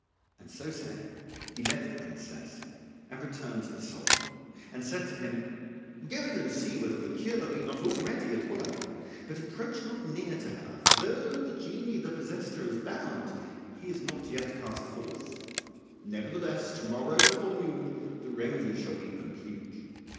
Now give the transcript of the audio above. And so saying he left the princess and returned to the Sultan, and said to him, "Go in and see whether the cure be not already at work; but approach not near to her, for though the genie that possessed her is bound he is not yet cast forth: nevertheless to morrow before noon the remedy shall be complete."